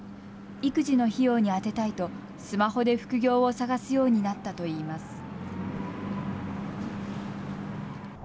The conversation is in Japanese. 育児の費用に充てたいとスマホで副業を探すようになったといいます。